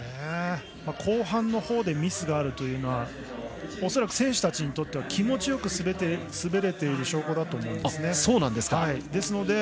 後半のほうでミスがあるというのは恐らく選手たちにとっては気持ちよく滑れている証拠だと思うんですね。